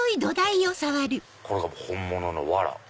これが本物のわら。